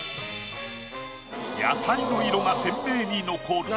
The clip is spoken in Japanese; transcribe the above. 野菜の色が鮮明に残る。